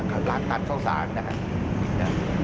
หัวหลานตัดเข้าสารนะครับ